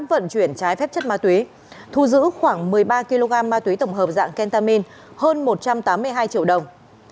vận chuyển trái phép chất ma túy thu giữ khoảng một mươi ba kg ma túy tổng hợp dạng kentamin hơn một trăm tám mươi hai triệu đồng